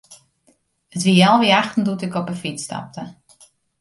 It wie healwei achten doe't ik op 'e fyts stapte.